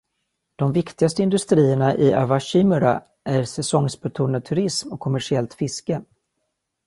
De viktigaste industrierna i Awashimaura är säsongsbetonad turism och kommersiellt fiske.